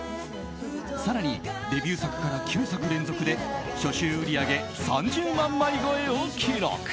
更にデビュー作から９作連続で初週売り上げ３０万枚超えを記録。